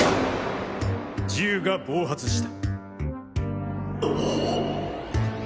銃が暴発した。